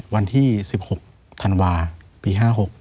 วันที่๑๖ธันวาปี๕๖